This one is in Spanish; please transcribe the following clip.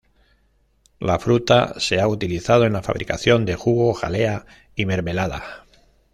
La fruta se ha utilizado en la fabricación de jugo, jalea y mermelada.